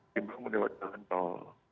gimana lewat jalan tol